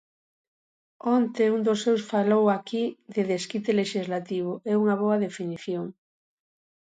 Onte, un dos seus falou aquí de desquite lexislativo, é unha boa definición.